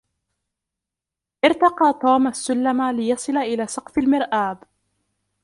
ارتقى توم السلم ليصل إلى سقف المرآب.